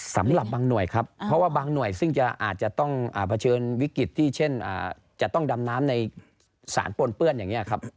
สำหรับบางหน่วยครับเพราะว่าบางหน่วยซึ่งอาจจะต้องเผชิญวิกฤตที่เช่นจะต้องดำน้ำในสารปนเปื้อนอย่างนี้ครับ